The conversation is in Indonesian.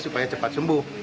supaya cepat sembuh